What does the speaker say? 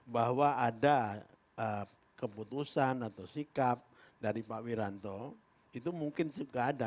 bahwa ada keputusan atau sikap dari pak wiranto itu mungkin juga ada